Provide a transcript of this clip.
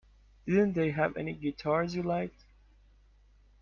Didn't they have any guitars you liked?